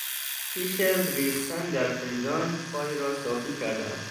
پیش از ریختن در فنجان چای را صافی کردم.